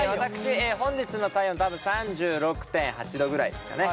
本日の体温多分３６．８度ぐらいですかね。